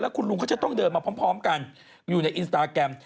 คุณลุงเขาจะต้องเดินมาพร้อมกันอยู่ในอินสตาแกรม